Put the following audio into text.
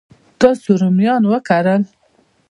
تاسو رومیان وکرل؟